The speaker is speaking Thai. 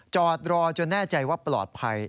จอดรอจนแน่ใจว่าปลอดภัย